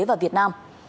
và việt nam